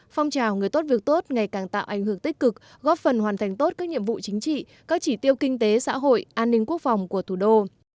phong trào người tốt việc tốt ngày càng tạo ảnh hưởng tích cực góp phần hoàn thành tốt các nhiệm vụ chính trị các chỉ tiêu kinh tế xã hội an ninh quốc phòng của thủ đô